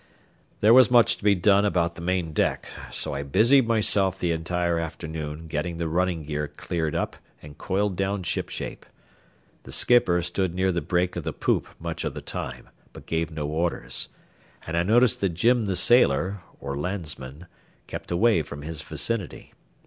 There was much to be done about the main deck, so I busied myself the entire afternoon getting the running gear cleared up and coiled down shipshape. The skipper stood near the break of the poop much of the time, but gave no orders, and I noticed that Jim the sailor, or landsman, kept away from his vicinity.